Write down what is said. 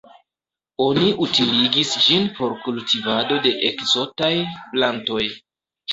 Oni utiligis ĝin por kultivado de ekzotaj plantoj.